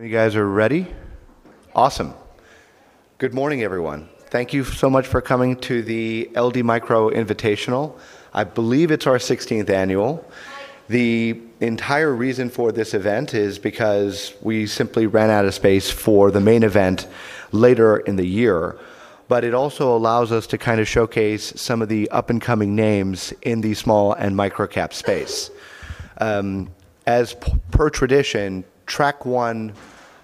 You guys are ready? Awesome. Good morning, everyone. Thank you so much for coming to the LD Micro Invitational. I believe it's our sixteenth annual. The entire reason for this event is because we simply ran out of space for the main event later in the year. It also allows us to kind of showcase some of the up-and-coming names in the small and microcap space. As per tradition, track one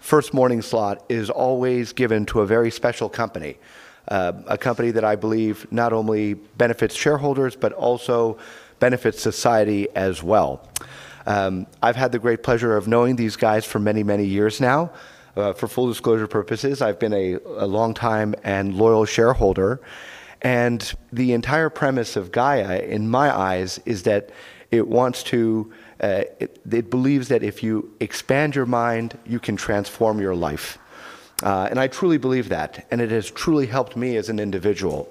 first morning slot is always given to a very special company. A company that I believe not only benefits shareholders, but also benefits society as well. I've had the great pleasure of knowing these guys for many, many years now. For full disclosure purposes, I've been a longtime and loyal shareholder, and the entire premise of Gaia, in my eyes, is that it wants to, it believes that if you expand your mind, you can transform your life. I truly believe that, and it has truly helped me as an individual.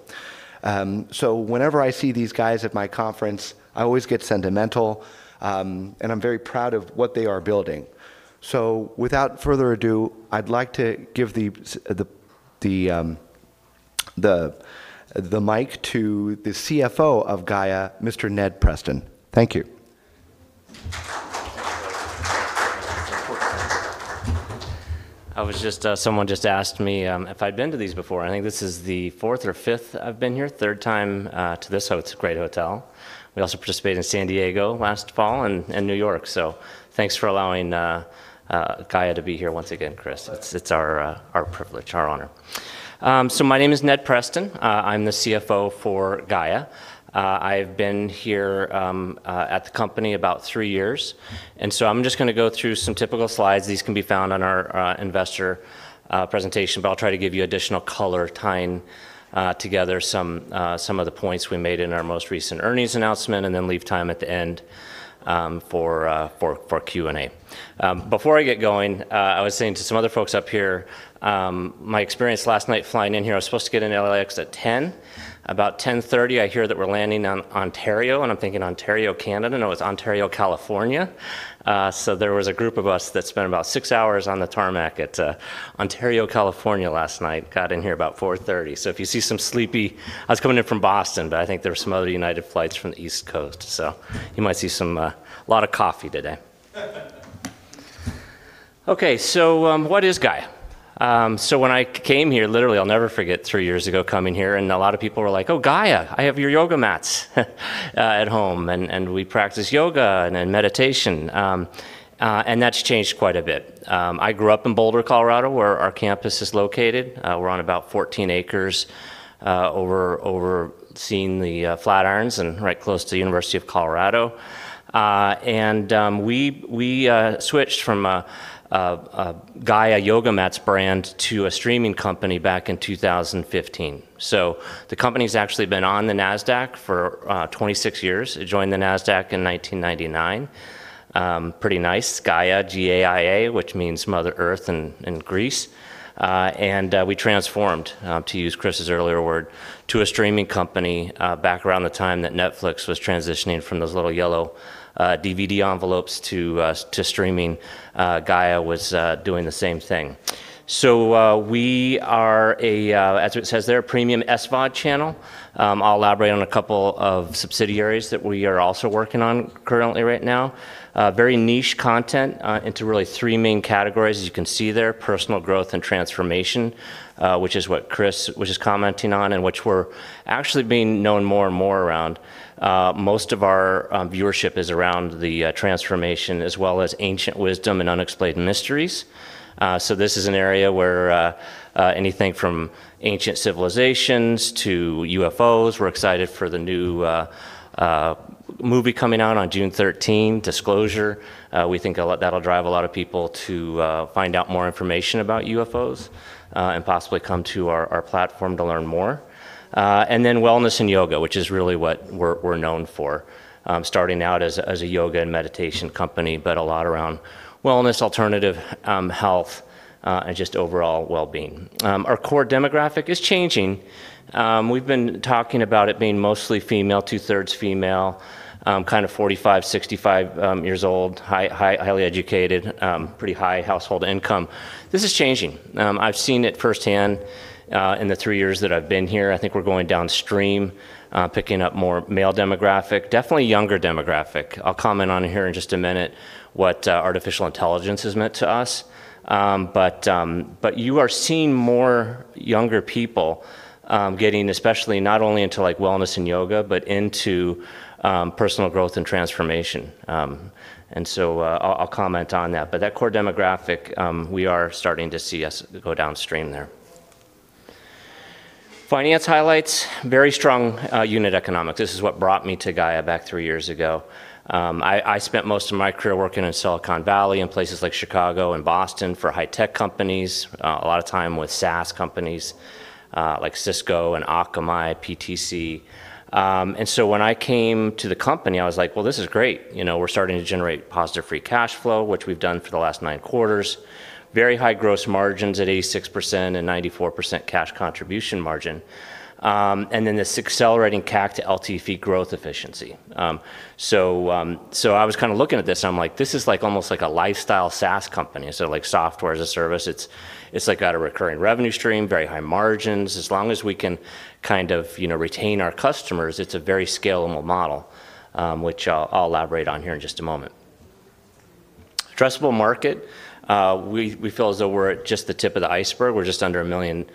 Whenever I see these guys at my conference, I always get sentimental, and I'm very proud of what they are building. Without further ado, I'd like to give the mic to the CFO of Gaia, Mr. Ned Preston. Thank you. I was just Someone just asked me if I'd been to these before. I think this is the 4th or 5th I've been here. 3rd time to this great hotel. We also participated in San Diego last fall and New York. Thanks for allowing Gaia to be here once again, Chris. It's our privilege, our honor. My name is Ned Preston. I'm the CFO for Gaia. I've been here at the company about three years. I'm just gonna go through some typical slides. These can be found on our investor presentation, but I'll try to give you additional color tying together some of the points we made in our most recent earnings announcement and then leave time at the end for Q&A. Before I get going, I was saying to some other folks up here, my experience last night flying in here, I was supposed to get into L.A.X. at 10 P.M. About 10:30 P.M., I hear that we're landing on Ontario, and I'm thinking Ontario, Canada. No, it's Ontario, California. There was a group of us that spent about six hours on the tarmac at Ontario, California last night. Got in here about 4:30 A.M. If you see some sleepy I was coming in from Boston, but I think there were some other United flights from the East Coast, you might see some lot of coffee today. Okay. What is Gaia? When I came here, literally, I'll never forget three years ago coming here, and a lot of people were like, "Oh, Gaia, I have your yoga mats at home, and we practice yoga and meditation." That's changed quite a bit. I grew up in Boulder, Colorado, where our campus is located. We're on about 14 acres, over seeing the Flatirons and right close to University of Colorado. We switched from a Gaia yoga mats brand to a streaming company back in 2015. The company's actually been on the Nasdaq for 26 years. It joined the Nasdaq in 1999. Pretty nice. Gaia, G-A-I-A, which means Mother Earth in Greece. We transformed, to use Chris' earlier word, to a streaming company, back around the time that Netflix was transitioning from those little yellow DVD envelopes to streaming. Gaia was doing the same thing. We are a, as it says there, a premium SVOD channel. I'll elaborate on a couple of subsidiaries that we are also working on currently right now. Very niche content into really three main categories, as you can see there, personal growth and transformation, which is what Chris was just commenting on and which we're actually being known more and more around. Most of our viewership is around the transformation as well as ancient wisdom and unexplained mysteries. This is an area where anything from ancient civilizations to UFOs. We're excited for the new movie coming out on June 13, Disclosure. We think a lot that'll drive a lot of people to find out more information about UFOs and possibly come to our platform to learn more. Wellness and yoga, which is really what we're known for. Starting out as a yoga and meditation company, but a lot around wellness, alternative health, and just overall well-being. Our core demographic is changing. We've been talking about it being mostly female, two-thirds female, kind of 45, 65 years old, highly educated, pretty high household income. This is changing. I've seen it firsthand in the three years that I've been here. I think we're going downstream, picking up more male demographic, definitely younger demographic. I'll comment on here in just a minute what artificial intelligence has meant to us. You are seeing more younger people getting especially not only into, like, wellness and yoga, but into personal growth and transformation. So, I'll comment on that. That core demographic, we are starting to see us go downstream there. Finance highlights, very strong unit economics. This is what brought me to Gaia back three years ago. I spent most of my career working in Silicon Valley and places like Chicago and Boston for high tech companies, a lot of time with SaaS companies, like Cisco and Akamai, PTC. When I came to the company, I was like, "Well, this is great." You know, we're starting to generate positive free cash flow, which we've done for the last nine quarters. Very high gross margins at 86% and 94% cash contribution margin. This accelerating CAC to LTV growth efficiency. I was kind of looking at this, and I'm like, "This is, like, almost like a lifestyle SaaS company." Like, software as a service, it's, like, got a recurring revenue stream, very high margins. As long as we can kind of, you know, retain our customers, it's a very scalable model, which I'll elaborate on here in just a moment. Addressable market, we feel as though we're at just the tip of the iceberg. We're just under 1 million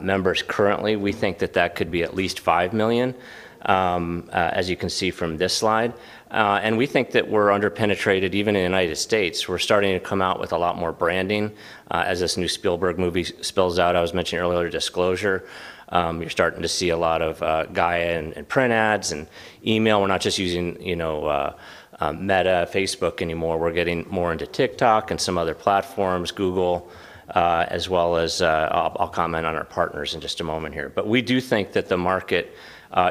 members currently. We think that that could be at least 5 million, as you can see from this slide. We think that we're under-penetrated even in the United States. We're starting to come out with a lot more branding, as this new Spielberg movie spills out. I was mentioning earlier, Disclosure. You're starting to see a lot of Gaia in print ads and email. We're not just using, you know, Meta, Facebook anymore. We're getting more into TikTok and some other platforms, Google, as well as, I'll comment on our partners in just a moment here. We do think that the market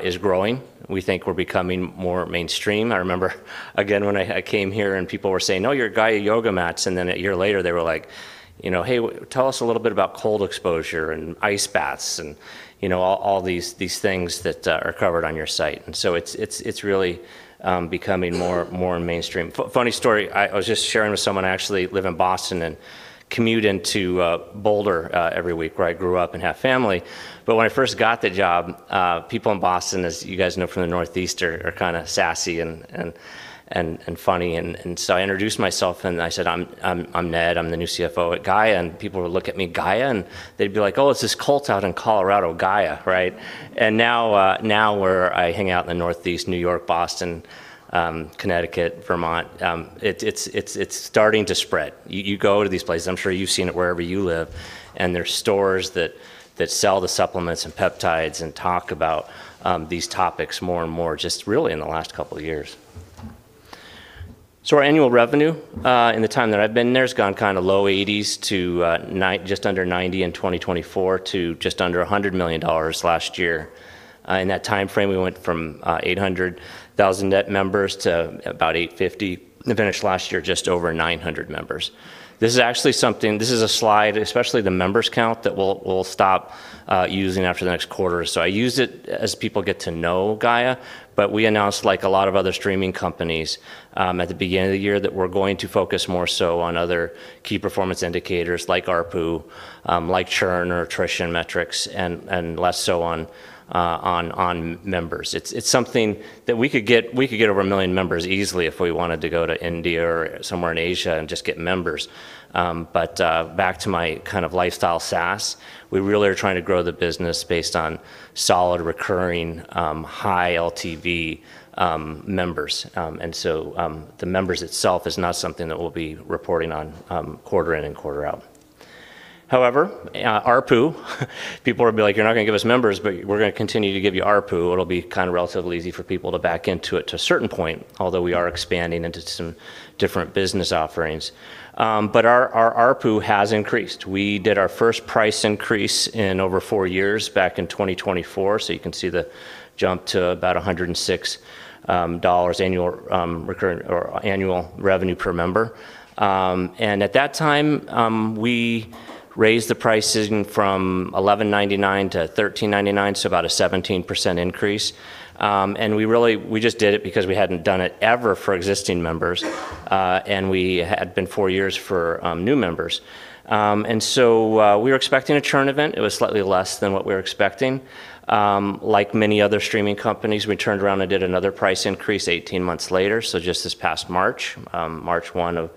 is growing. We think we're becoming more mainstream. I remember again when I came here and people were saying, "Oh, you're Gaia yoga mats." A year later, they were like, you know, "Hey, tell us a little bit about cold exposure and ice baths and, you know, all these things that are covered on your site." It's really becoming more mainstream. Funny story I was just sharing with someone. I actually live in Boston and commute into Boulder every week where I grew up and have family. When I first got the job, people in Boston, as you guys know from the Northeast, are kinda sassy and funny. I introduced myself and I said, "I'm Ned, I'm the new CFO at Gaia." People would look at me, "Gaia?" They'd be like, "Oh, it's this cult out in Colorado, Gaia, right?" Now I hang out in the Northeast, New York, Boston, Connecticut, Vermont, it's starting to spread. You go to these places, I'm sure you've seen it wherever you live, and there's stores that sell the supplements and peptides and talk about these topics more and more just really in the last couple of years. Our annual revenue in the time that I've been there has gone kind of low 80s to just under 90 in 2024 to just under $100 million last year. In that timeframe, we went from 800,000 net members to about 850. We finished last year just over 900 members. This is actually something. This is a slide, especially the members count, that we'll stop using after the next quarter. I use it as people get to know Gaia, but we announced, like a lot of other streaming companies, at the beginning of the year that we're going to focus more so on other key performance indicators like ARPU, like churn or attrition metrics, and less so on members. It's something that we could get over 1 million members easily if we wanted to go to India or somewhere in Asia and just get members. Back to my kind of lifestyle SaaS, we really are trying to grow the business based on solid, recurring, high LTV members. The members itself is not something that we'll be reporting on quarter in and quarter out. ARPU, people will be like, "You're not gonna give us members, but we're gonna continue to give you ARPU." It'll be kind of relatively easy for people to back into it to a certain point, although we are expanding into some different business offerings. Our ARPU has increased. We did our first price increase in over four years back in 2024, so you can see the jump to about $106 annual recurrent or annual revenue per member. At that time, we raised the pricing from $11.99 to $13.99, so about a 17% increase. We really, we just did it because we hadn't done it ever for existing members, and we had been four years for new members. We were expecting a churn event. It was slightly less than what we were expecting. Like many other streaming companies, we turned around and did another price increase 18 months later, so just this past March. March 1 of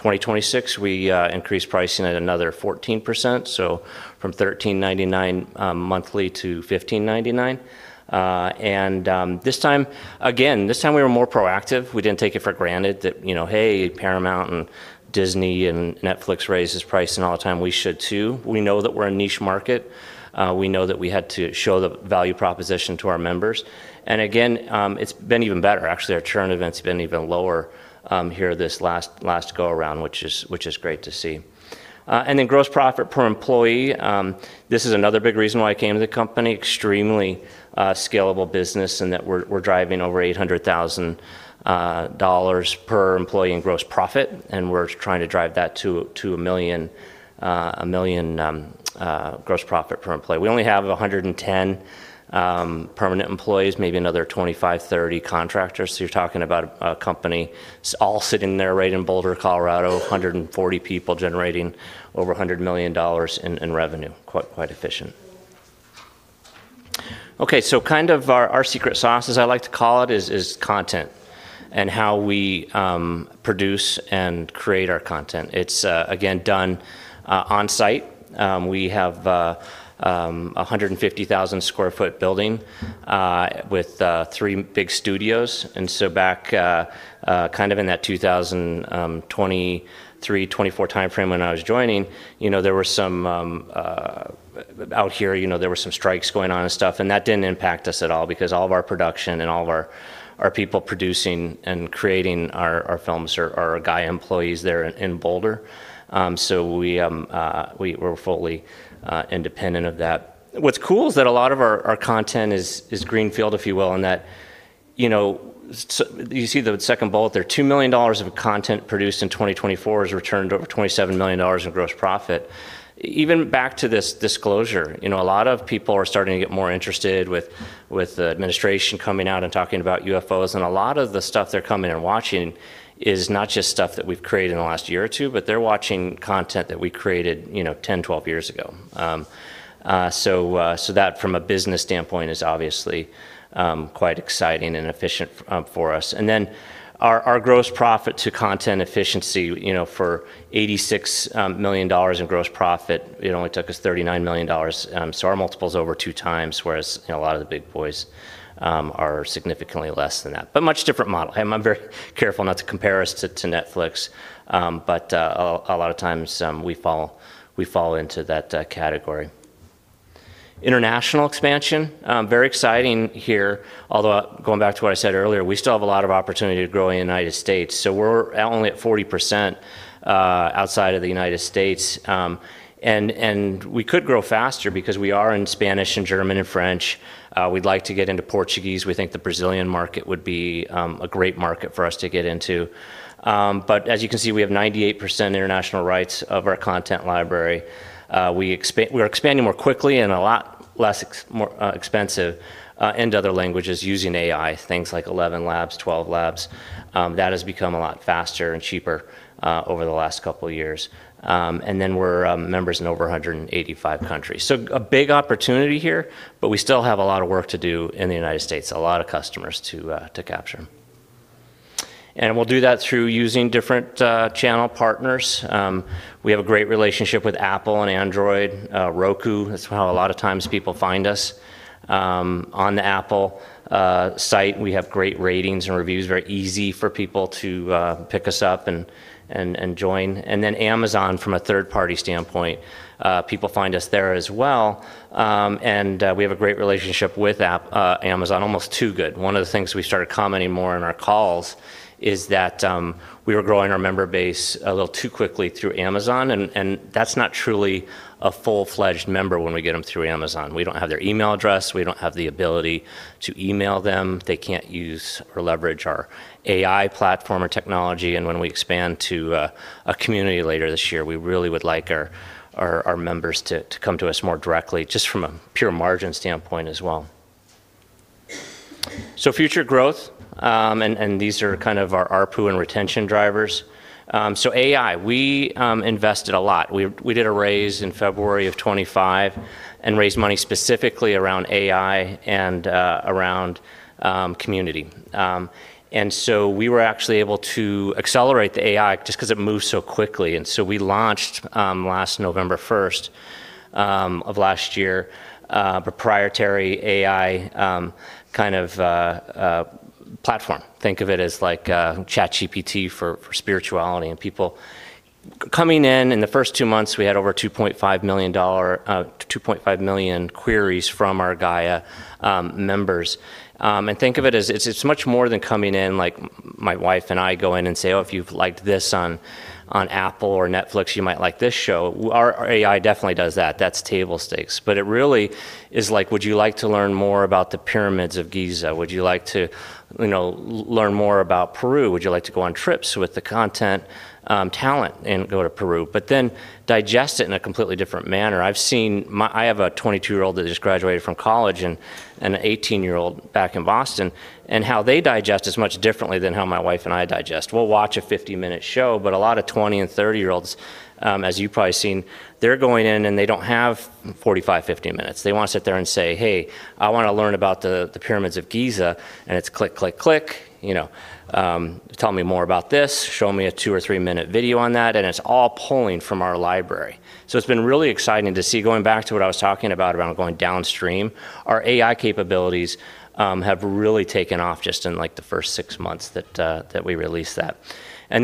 2026, we increased pricing at another 14%, so from $13.99 monthly to $15.99. This time, again, this time we were more proactive. We didn't take it for granted that, you know, hey, Paramount Global and The Walt Disney Company and Netflix raises price all the time we should too. We know that we're a niche market. We know that we had to show the value proposition to our members. Again, it's been even better. Actually, our churn event's been even lower here this last go around, which is great to see. Gross profit per employee, this is another big reason why I came to the company. Extremely scalable business in that we're driving over $800,000 per employee in gross profit, and we're trying to drive that to $1 million gross profit per employee. We only have 110 permanent employees, maybe another 25, 30 contractors. You're talking about a company all sitting there right in Boulder, Colorado, 140 people generating over $100 million in revenue. Quite efficient. Kind of our secret sauce, as I like to call it, is content and how we produce and create our content. It's again done on-site. We have a 150,000 square foot building with three big studios. Back kind of in that 2023, 2024 timeframe when I was joining, you know, there were some out here, you know, there were some strikes going on and stuff. That didn't impact us at all because all of our production and all of our people producing and creating our films are Gaia employees there in Boulder. So we're fully independent of that. What's cool is that a lot of our content is greenfield, if you will, in that, you know, you see the second bullet there, $2 million of content produced in 2024 has returned over $27 million in gross profit. Even back to this Disclosure, you know, a lot of people are starting to get more interested with the administration coming out and talking about UFOs, and a lot of the stuff they're coming and watching is not just stuff that we've created in the last year or two, but they're watching content that we created, you know, 10, 12 years ago. That from a business standpoint is obviously quite exciting and efficient for us. Our gross profit to content efficiency, you know, for $86 million in gross profit, it only took us $39 million. Our multiple's over 2 times, whereas, you know, a lot of the big boys are significantly less than that. Much different model. I'm very careful not to compare us to Netflix, but a lot of times, we fall into that category. International expansion, very exciting here. Although going back to what I said earlier, we still have a lot of opportunity to grow in the United States. We're at only at 40% outside of the United States. We could grow faster because we are in Spanish and German and French. We'd like to get into Portuguese. We think the Brazilian market would be a great market for us to get into. As you can see, we have 98% international rights of our content library. We're expanding more quickly and a lot less more expensive in other languages using AI, things like ElevenLabs, Twelve Labs. That has become a lot faster and cheaper over the last couple of years. We're members in over 185 countries. A big opportunity here, but we still have a lot of work to do in the U.S., a lot of customers to capture. We'll do that through using different channel partners. We have a great relationship with Apple and Android, Roku. That's how a lot of times people find us. On the Apple site, we have great ratings and reviews, very easy for people to pick us up and join. Amazon from a third-party standpoint, people find us there as well. We have a great relationship with Amazon, almost too good. One of the things we started commenting more in our calls is that we were growing our member base a little too quickly through Amazon, and that's not truly a full-fledged member when we get them through Amazon. We don't have their email address. We don't have the ability to email them. They can't use or leverage our AI platform or technology. When we expand to a community later this year, we really would like our members to come to us more directly just from a pure margin standpoint as well. Future growth, and these are kind of our ARPU and retention drivers. AI, we invested a lot. We did a raise in February of 2025 and raised money specifically around AI and around community. We were actually able to accelerate the AI just ’cause it moves so quickly. We launched last November 1st of last year, proprietary AI kind of platform. Think of it as like ChatGPT for spirituality and people. Coming in the first two months, we had over 2.5 million queries from our Gaia members. Think of it as it's much more than coming in, like my wife and I go in and say, "Oh, if you've liked this on Apple or Netflix, you might like this show." Our AI definitely does that. That's table stakes. It really is like, "Would you like to learn more about the pyramids of Giza? Would you like to, you know, learn more about Peru? Would you like to go on trips with the content, talent and go to Peru? Digest it in a completely different manner. I've seen I have a 22-year-old that just graduated from college and an 18-year-old back in Boston, and how they digest is much differently than how my wife and I digest. We'll watch a 50-minute show, but a lot of 20 and 30-year-olds, as you've probably seen, they're going in and they don't have 45, 50 minutes. They wanna sit there and say, "Hey, I wanna learn about the pyramids of Giza," and it's click, click. You know, "Tell me more about this." Show me a two or three-minute video on that. It's all pulling from our library. It's been really exciting to see. Going back to what I was talking about around going downstream, our AI capabilities have really taken off just in like the first six months that we released that. I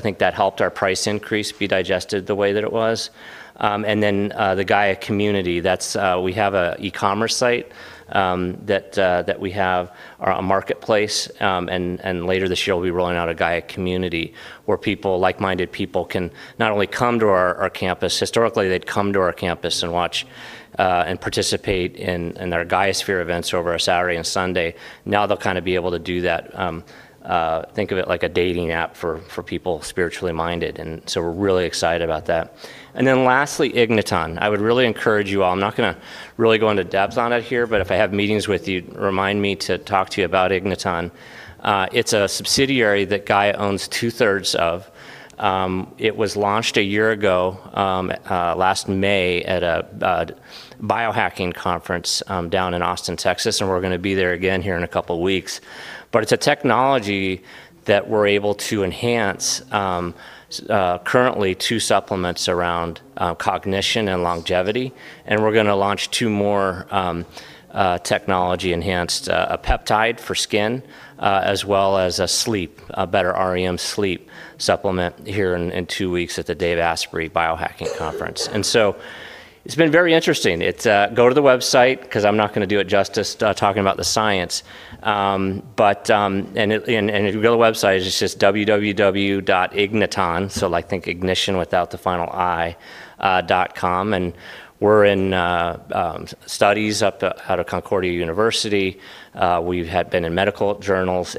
think that helped our price increase be digested the way that it was. The Gaia community, that's, we have a e-commerce site that we have or a marketplace. Later this year, we'll be rolling out a Gaia community where people, like-minded people can not only come to our campus. Historically, they'd come to our campus and watch and participate in our Gaiasphere events over a Saturday and Sunday. Now they'll kinda be able to do that, think of it like a dating app for people spiritually minded. We're really excited about that. Lastly, Igniton. I would really encourage you all. I'm not gonna really go into depth on it here, but if I have meetings with you, remind me to talk to you about Igniton. It's a subsidiary that Gaia owns two-thirds of. It was launched a year ago, last May at a Biohacking Conference down in Austin, Texas, and we're gonna be there again here in a couple of weeks. It's a technology that we're able to enhance, currently two supplements around cognition and longevity. We're gonna launch two more technology enhanced, a peptide for skin, as well as a sleep, a better REM sleep supplement here in two weeks at the Dave Asprey Biohacking Conference. It's been very interesting. It's, go to the website 'cause I'm not gonna do it justice, talking about the science. If you go to the website, it's just www.igniton.com, so like think ignition without the final I. We're in studies out of Concordia University. We've had been in medical journals,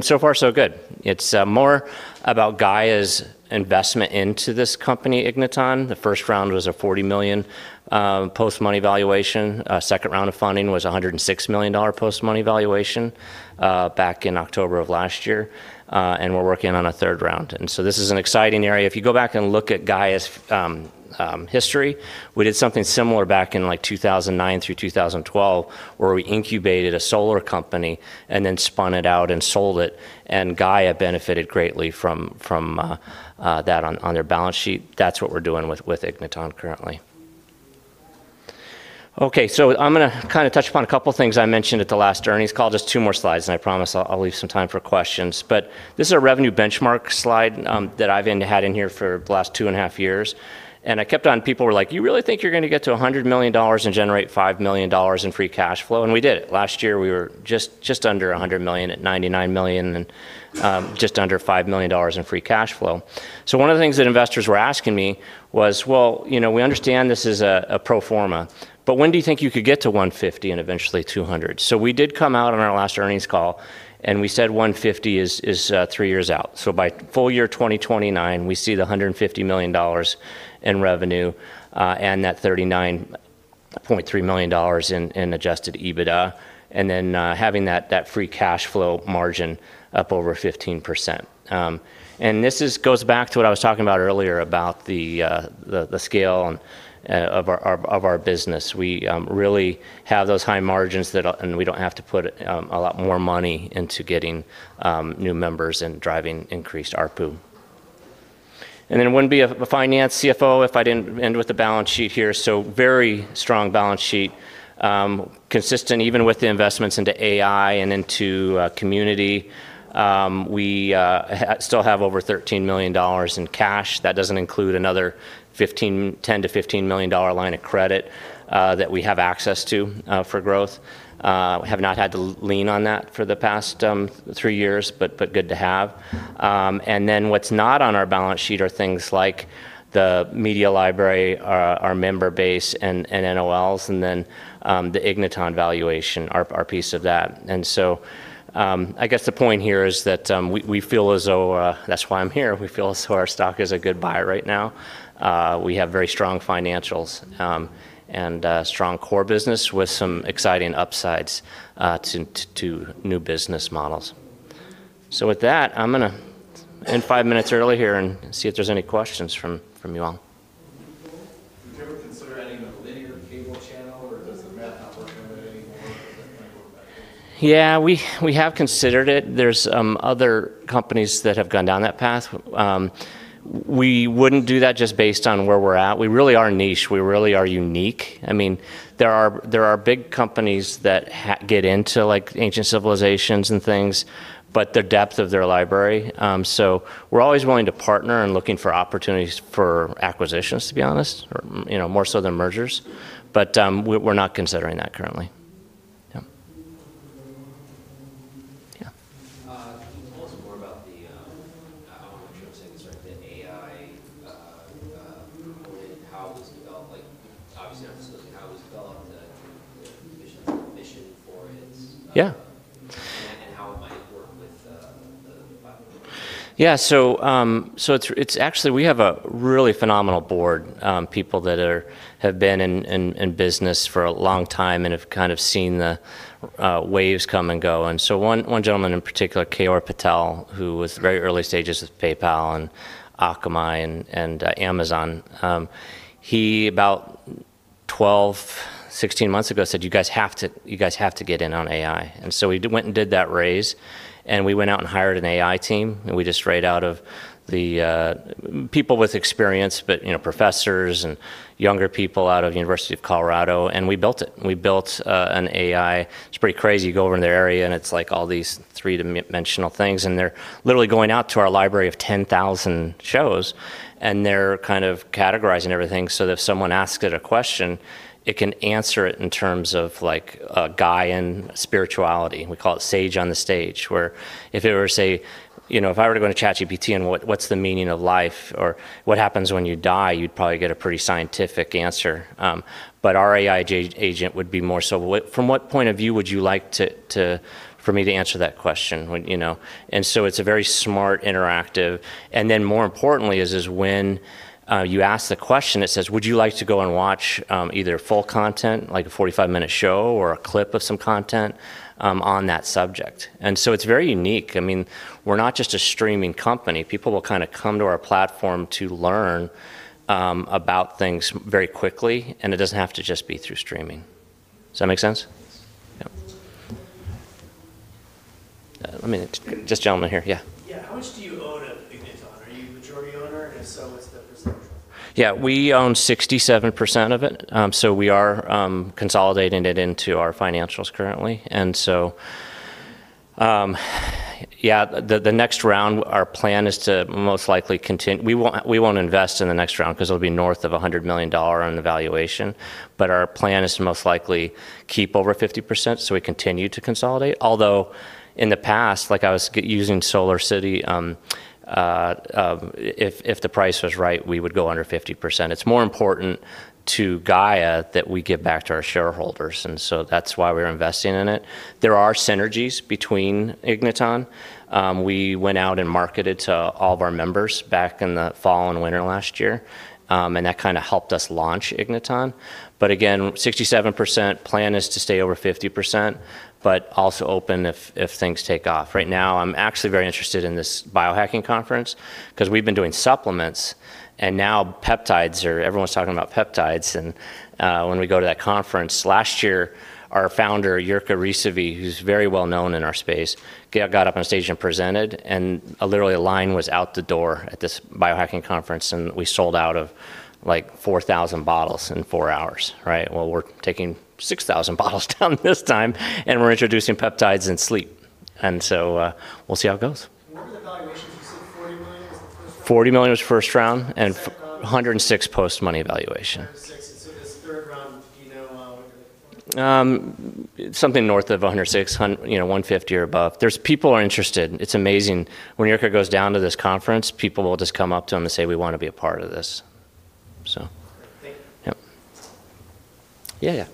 so far so good. It's more about Gaia's investment into this company, Igniton. The first round was a $40 million post-money valuation. Second round of funding was a $106 million post-money valuation back in October of last year. We're working on a third round. This is an exciting area. If you go back and look at Gaia's history, we did something similar back in like 2009 through 2012, where we incubated a solar company then spun it out and sold it. Gaia benefited greatly from that on their balance sheet. That's what we're doing with Igniton currently. I'm gonna kinda touch upon a couple things I mentioned at the last earnings call. Just two more slides, and I promise I'll leave some time for questions. This is a revenue benchmark slide that I've had in here for the last 2.5 years. I kept on People were like, "You really think you're gonna get to $100 million and generate $5 million in free cash flow?" We did it. Last year we were just under $100 million, at $99 million and just under $5 million in free cash flow. One of the things that investors were asking me was, "Well, you know, we understand this is a pro forma, but when do you think you could get to $150 and eventually $200?" We did come out on our last earnings call, and we said $150 is three years out. By full year 2029, we see the $150 million in revenue, and that $39.3 million in adjusted EBITDA, and then having that free cash flow margin up over 15%. And this goes back to what I was talking about earlier about the scale and of our business. We really have those high margins that we don't have to put a lot more money into getting new members and driving increased ARPU. It wouldn't be a finance CFO if I didn't end with the balance sheet here. Very strong balance sheet, consistent even with the investments into AI and into community. We still have over $13 million in cash. That doesn't include another $10 million-$15 million line of credit that we have access to for growth. Have not had to lean on that for the past three years, good to have. What's not on our balance sheet are things like the media library, our member base, and NOLs, and then the Igniton valuation, our piece of that. I guess the point here is that we feel as though that's why I'm here. We feel as though our stock is a good buy right now. We have very strong financials and a strong core business with some exciting upsides to new business models. With that, I'm gonna end five minutes early here and see if there's any questions from you all. Would you ever consider adding a linear cable channel, or does the math not work out anymore? Does it kind of work better? Yeah, we have considered it. There's other companies that have gone down that path. We wouldn't do that just based on where we're at. We really are niche. We really are unique. I mean, there are big companies that get into, like, ancient civilizations and things, but their depth of their library. We're always willing to partner and looking for opportunities for acquisitions, to be honest, or, you know, more so than mergers. We're not considering that currently. Yeah. Yeah. Can you tell us more about the, I don't know what you were saying, sorry, the AI, when how it was developed? Like, obviously I'm just looking at how it was developed, the vision for it? How it might work with the platform. Yeah, it's actually, we have a really phenomenal board, people that have been in business for a long time and have kind of seen the waves come and go. One gentleman in particular, Keyur Patel, who was very early stages with PayPal, Akamai, and Amazon, he about 12, 16 months ago said, "You guys have to get in on AI." We went and did that raise, we went out and hired an AI team, we just right out of the people with experience, but, you know, professors and younger people out of University of Colorado, we built it. We built an AI. It's pretty crazy. You go over in their area, it's, like, all these three-dimensional things, and they're literally going out to our library of 10,000 shows. They're kind of categorizing everything, so that if someone asks it a question, it can answer it in terms of, like, a Gaia and spirituality. We call it Sage on the Stage, where if it were, say, you know, if I were to go into ChatGPT, "What's the meaning of life?" or, "What happens when you die?" you'd probably get a pretty scientific answer. Our AI agent would be more so, "What From what point of view would you like to for me to answer that question?" When, you know? It's a very smart interactive. More importantly is when you ask the question, it says, "Would you like to go and watch either full content, like a 45-minute show or a clip of some content on that subject?" It's very unique. I mean, we're not just a streaming company. People will kind of come to our platform to learn about things very quickly, and it doesn't have to just be through streaming. Does that make sense? Yes. Yeah. I mean, it's this gentleman here. Yeah. Yeah. How much do you own at Igniton? Are you majority owner, and if so, what's the percentage? Yeah. We own 67% of it. We are consolidating it into our financials currently. Yeah, the next round, our plan is to most likely we won't invest in the next round because it'll be north of $100 million on the valuation. Our plan is to most likely keep over 50%, so we continue to consolidate. Although, in the past, like I was using SolarCity, if the price was right, we would go under 50%. It's more important to Gaia that we give back to our shareholders, that's why we're investing in it. There are synergies between Igniton. We went out and marketed to all of our members back in the fall and winter last year, and that kind of helped us launch Igniton. Again, 67% plan is to stay over 50%, but also open if things take off. Right now I'm actually very interested in this Biohacking Conference because we've been doing supplements, and now peptides are everyone's talking about peptides. When we go to that conference, last year, our founder, Jirka Rysavy, who's very well known in our space, got up on stage and presented, and literally a line was out the door at this Biohacking Conference, and we sold out of, like, 4,000 bottles in four hours, right. Well, we're taking 6,000 bottles down this time, and we're introducing peptides and sleep. We'll see how it goes. What were the valuations? You said $40 million was the first round? $40 million was first round and $106 post-money valuation. This third round, do you know? Something north of 106, you know, 150 or above. People are interested. It's amazing. When Jirka goes down to this conference, people will just come up to him and say, "We wanna be a part of this. All right. Thank you. Yep. Yeah, yeah.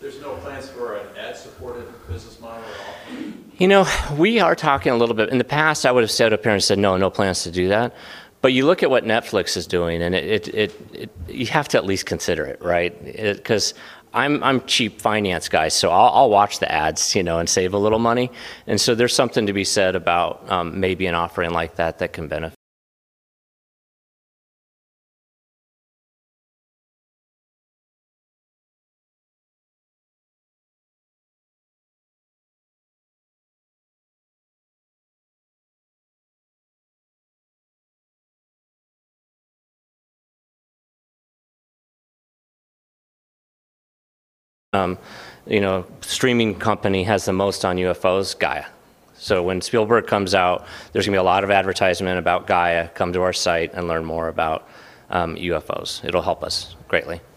There's no plans for an ad-supported business model at all? You know, we are talking a little bit. In the past, I would've stood up here and said, "No, no plans to do that." You look at what Netflix is doing, and it you have to at least consider it, right? 'Cause I'm cheap finance guy, I'll watch the ads, you know, and save a little money. There's something to be said about maybe an offering like that that can, you know, streaming company has the most on UFOs, Gaia. When Spielberg comes out, there's gonna be a lot of advertisement about Gaia. Come to our site and learn more about UFOs. It'll help us greatly. We are officially out of time. If you have any questions, then we can take them outside. Thank you so much.